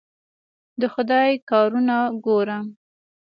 د خدای کارونه ګوره.